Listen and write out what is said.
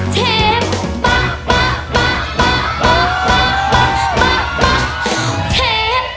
เทปปะ